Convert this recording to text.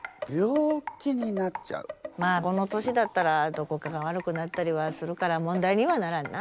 まあこの年だったらどこかが悪くなったりはするから問題にはならんな。